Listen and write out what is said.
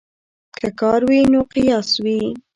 که کار وي نو قیاس وي.